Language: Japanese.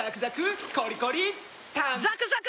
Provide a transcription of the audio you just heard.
ザクザク！